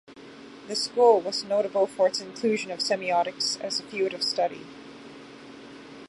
The school was notable for its inclusion of semiotics as a field of study.